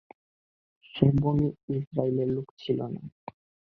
সে বনী ইসরাঈলের লোক ছিল না।